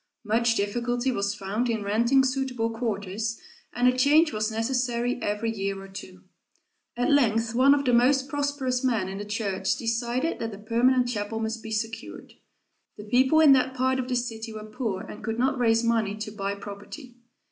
Much difficulty was found in renting suitable quarters, and a change was necessary every year or two. At length one of the most prosperous men in the church decided that a permanent chapel must be secured. The people in that part of the city were poor and could not raise money to buy property.